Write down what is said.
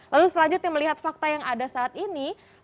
lalu selanjutnya melihat fakta yang ada saat ini